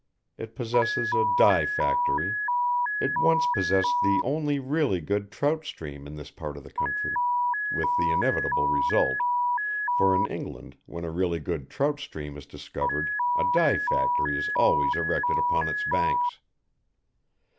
It possesses a dye factory. It once possessed the only really good trout stream in this part of the country, with the inevitable result, for in England when a really good trout stream is discovered a dye factory is always erected upon its banks.